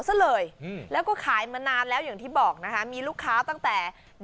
ซะเลยอืมแล้วก็ขายมานานแล้วอย่างที่บอกนะคะมีลูกค้าตั้งแต่